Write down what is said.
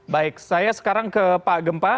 baik saya sekarang ke pak gempa